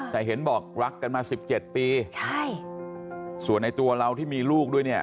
แต่เห็นบอกรักกันมาสิบเจ็ดปีใช่ส่วนในตัวเราที่มีลูกด้วยเนี่ย